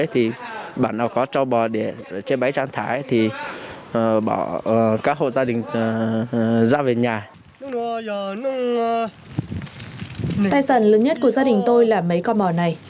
tài sản lớn nhất của gia đình tôi là mấy con bò này